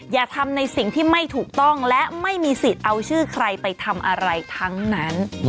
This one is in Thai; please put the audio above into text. อย่าทำในสิ่งที่ไม่ถูกต้องและไม่มีสิทธิ์เอาชื่อใครไปทำอะไรทั้งนั้น